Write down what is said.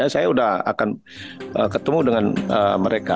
saya sudah akan ketemu dengan mereka